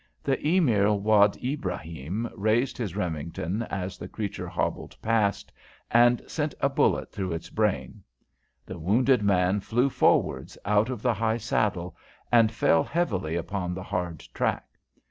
The Emir Wad Ibraham raised his Remington, as the creature hobbled past, and sent a bullet through its brain. The wounded man flew forwards out of the high saddle, and fell heavily upon the hard track.